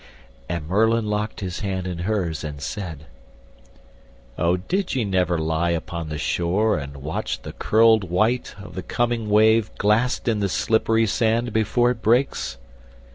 And Merlin locked his hand in hers and said: "O did ye never lie upon the shore, And watch the curled white of the coming wave Glassed in the slippery sand before it breaks?